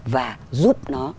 và giúp nó